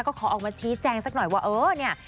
ก็ขอออกมาชี้แจงสักหน่อยว่าเออเนี่ย